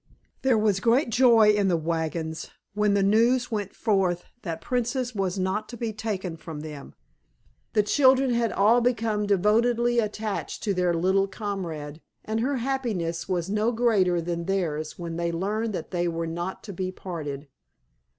There was great joy in the wagons when the news went forth that Princess was not to be taken from them. The children had all become devotedly attached to their little comrade, and her happiness was no greater than theirs when they learned that they were not to be parted.